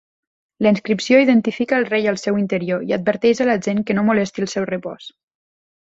La inscripció identifica el rei al seu interior i adverteix a la gent que no molesti el seu repòs.